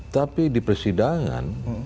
tapi di persidangan